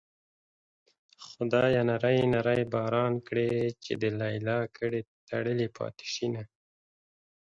خدايه نری نری باران کړې چې د ليلا ګډې تړلې پاتې شينه